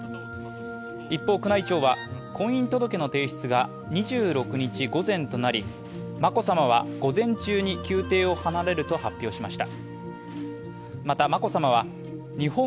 一方、宮内庁は、婚姻届の提出が２６日午前となり眞子さまは午前中に宮邸を離れると発表しました。